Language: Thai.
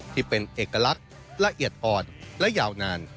ที่เป็นเอกลักษณ์ละเอียดอ่อนและยาวนาน